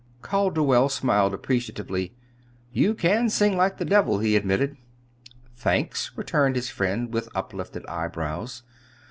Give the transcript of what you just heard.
Calderwell smiled appreciatively. "You can sing like the devil," he admitted. "Thanks," returned his friend, with uplifted eyebrows.